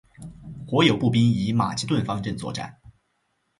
夥友步兵以马其顿方阵作战。